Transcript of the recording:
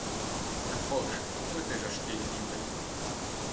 Approche ! pourquoi t’ai-je acheté une livrée ?